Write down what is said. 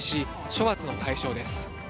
処罰の対象です。